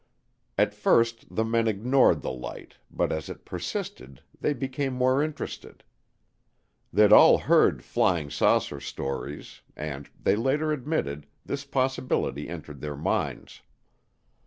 At first the men ignored the light but as it persisted they became more interested. They'd all heard "flying saucer" stories and, they later admitted, this possibility entered their minds.